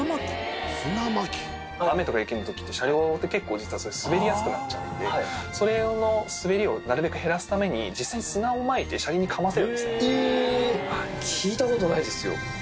雨とか雪のときって、車両って結構、滑りやすくなっちゃうんで、それの滑りをなるべく減らすために、実際に砂をまいて車輪に聞いたことないですよ。